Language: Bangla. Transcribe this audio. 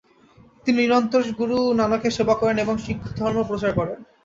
তিনি নিরন্তর গুরু নানকের সেবা করেন এবং শিখধর্ম প্রচার করেন।